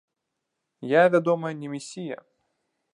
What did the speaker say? Я, вядома, не месія.